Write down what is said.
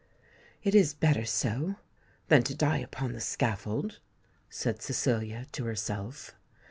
"It is better so, than to die upon the scaffold," said Cecilia to herself.